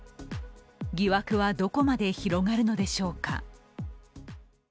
疑惑はどこまで広がるのでしょうか。